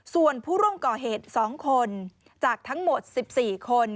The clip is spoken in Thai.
ส่วนผู้ร่วมก่อเหตุ๒คนจากทั้งหมด๑๔คน